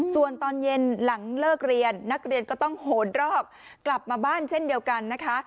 ส่วนตอนเย็นหลังเลิกเรียนนักเรียนก็ต้องโหดรอบกลับมาบ้านเช่นเดียวกันนะคะ